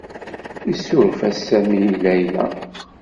Yessuref-as Sami i Layla.